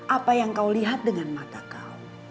apa yang kau lihat dengan mata kau